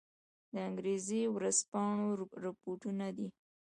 د انګرېزي ورځپاڼو رپوټونه دي.